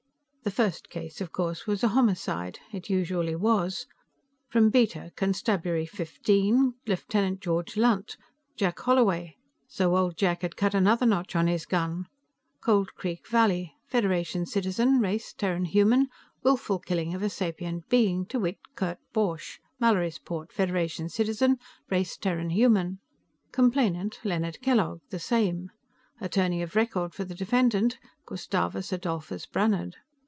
The first case, of course, was a homicide. It usually was. From Beta, Constabulary Fifteen, Lieutenant George Lunt. Jack Holloway so old Jack had cut another notch on his gun Cold Creek Valley, Federation citizen, race Terran human; willful killing of a sapient being, to wit Kurt Borch, Mallorysport, Federation citizen, race Terran human. Complainant, Leonard Kellogg, the same. Attorney of record for the defendant, Gustavus Adolphus Brannhard.